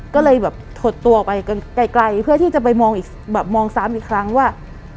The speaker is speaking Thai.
ก็เลยถดตัวไปไกลเพื่อที่จะไปมองซ้ำอีกครั้งว่า